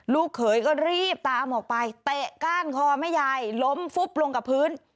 ลูกเขยก็รีบตามออกไปเตะก้านคอแม่ยายล้มฟุบลงกับพื้น